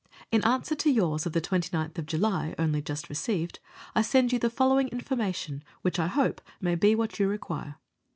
In answer to yours of the 29th of July, only just received, I send you the following information, which I hope may be what you require.